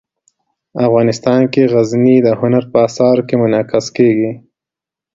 افغانستان کې غزني د هنر په اثار کې منعکس کېږي.